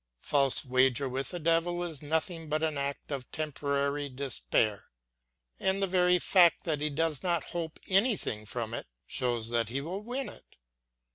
Faust's wager with the devil is nothing but an act of temporary despair, and the very fact that he does not hope anything from it shows that he will win it.